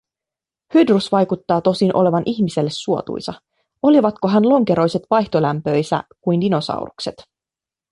Hydrus vaikuttaa tosin olevan ihmiselle suotuisa… Olivatkohan lonkeroiset vaihtolämpöisä kuin dinosaurukset?